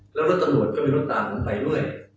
แล้วก็ตำรวจก็มีรถตามผมไปด้วย